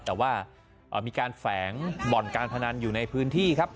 แต่ว่ามีการแฝงบ่อนการพนันอยู่ในพื้นที่ครับ